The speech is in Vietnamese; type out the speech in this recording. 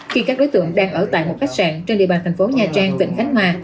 khi các đối tượng đang ở tại một khách sạn trên địa bàn tp nha trang vịnh khánh hòa